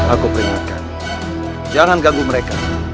aku peringatkan jangan ganggu mereka